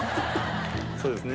そうですね。